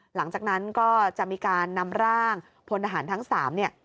หลังจากนั้นก็จะมีการนำร่างพลทหารทั้ง๓เนี่ย